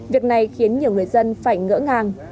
việc này khiến nhiều người dân phải ngỡ ngàng